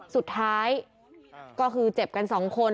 สุดท้ายก็คือเจ็บกัน๒คน